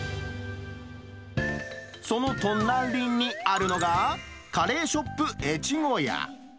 その隣にあるのが、カレーショップエチゴヤ。